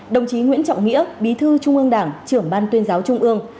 đồng chí nguyễn trọng nghĩa bí thư trung ương đảng trưởng ban tuyên giáo trung ương